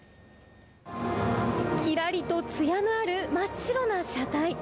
きらりとつやのある真っ白な車体。